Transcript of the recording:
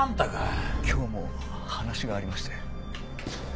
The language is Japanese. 今日も話がありまして。